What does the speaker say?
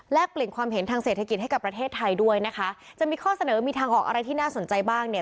เปลี่ยนความเห็นทางเศรษฐกิจให้กับประเทศไทยด้วยนะคะจะมีข้อเสนอมีทางออกอะไรที่น่าสนใจบ้างเนี่ย